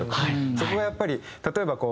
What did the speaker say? そこがやっぱり例えばこう。